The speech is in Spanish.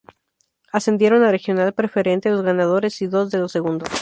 Ascendieron a Regional Preferente los ganadores y dos de los segundos.